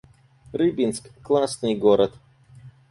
Рыбинск — классный город